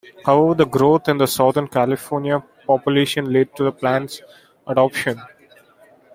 However, the growth in Southern California's population lead to the plan's adoption.